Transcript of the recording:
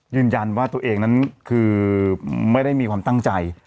ยืนยันว่าตัวเองนั้นคือไม่ได้มีความตั้งใจ